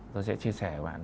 tôi sẽ chia sẻ với bạn